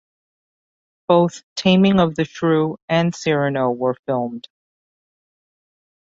Both "Taming of the Shrew" and "Cyrano" were filmed.